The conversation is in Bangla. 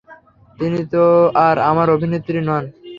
তিনি তো আর এখন অভিনেত্রী নন!